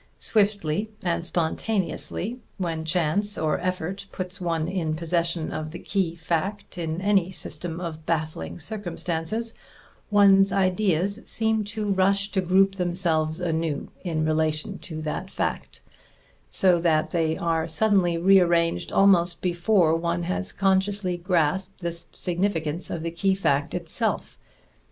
Swiftly and spontaneously, when chance or effort puts one in possession of the key fact in any system of baffling circumstances, one's ideas seem to rush to group themselves anew in relation to that fact, so that they are suddenly rearranged almost before one has consciously grasped the significance of the key fact itself.